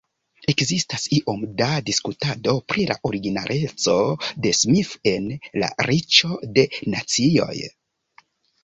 Ekzistas iom da diskutado pri la originaleco de Smith en "La Riĉo de Nacioj".